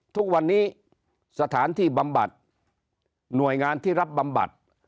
ทุกวันนี้สถานที่บำบัดหน่วยงานที่รับบำบัด